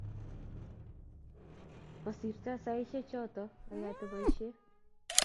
Mosirtoii saishe che ayote boisie.